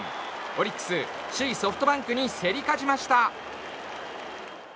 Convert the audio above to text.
オリックス、首位ソフトバンクに競り勝ちました。